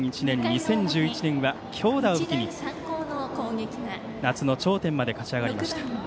２００１年、２０１１年は強打を武器に、夏の頂点まで勝ち上がりました。